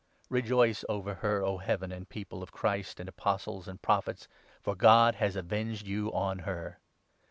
Rejoice 20 over her, O Heaven, and People of Christ, and Apostles, and Prophets, for God has avenged you on her